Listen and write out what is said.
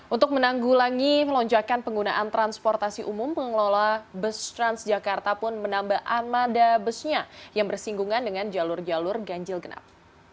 untuk menanggulangi melonjakan penggunaan transportasi umum pengelola bus transjakarta pun menambah armada busnya yang bersinggungan dengan jalur jalur ganjil genap